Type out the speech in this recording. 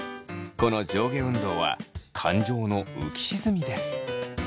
この上下運動は感情の浮き沈みです。